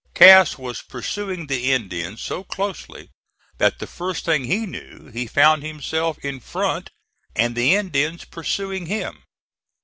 Cass was pursuing the Indians so closely that the first thing he knew he found himself in front, and the Indians pursuing him.